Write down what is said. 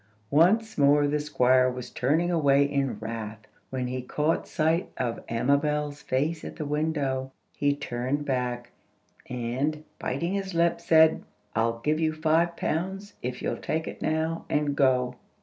Once more the Squire was turning away in wrath, when he caught sight of Amabel's face at the window. He turned back, and, biting his lip, said, "I'll give you five pounds if you'll take it now, and go.